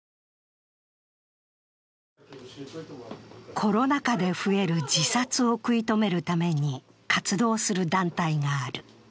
コロナ禍で増える自殺を食い止めるために活動する団体がある。